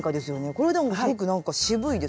これでもすごくなんか渋いですね。